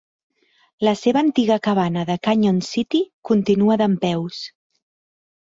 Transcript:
La seva antiga cabana de Canyon City continua dempeus.